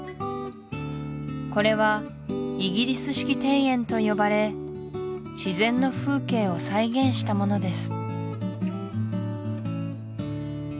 これはイギリス式庭園と呼ばれ自然の風景を再現したものです